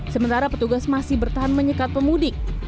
sementara petugas masih bertahan menyekat pemudik